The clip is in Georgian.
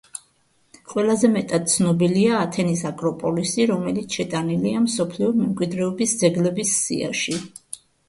ყველაზე მეტად ცნობილია ათენის აკროპოლისი, რომელიც შეტანილია მსოფლიო მემკვიდრეობის ძეგლების სიაში.